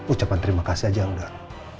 ucapan terima kasih aja yang udah